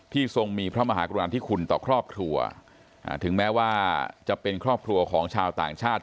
ทรงมีพระมหากรุณาธิคุณต่อครอบครัวถึงแม้ว่าจะเป็นครอบครัวของชาวต่างชาติ